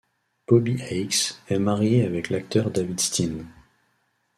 Bobbie Eakes est mariée avec l'acteur David Steen.